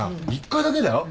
１回だけだよ。